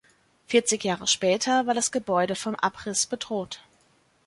Vierzig Jahre später war das Gebäude vom Abriss bedroht.